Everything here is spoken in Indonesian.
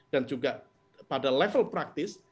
dan juga pada level praktis